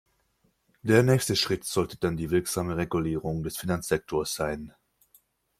Der nächste Schritt sollte dann die wirksame Regulierung des Finanzsektors sein.